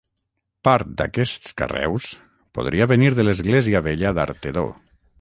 Part d'aquests carreus podria venir de l'església vella d'Artedó.